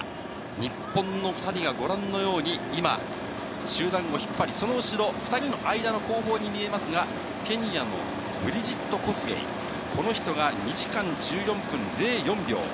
日本の２人がご覧のように、今、集団を引っ張り、その後ろ、２人の間の後方に見えますが、ケニアのブリジット・コスゲイ、この人が２時間１４分０４秒。